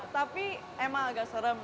tapi emang agak serem